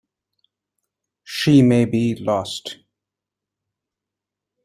She may be lost.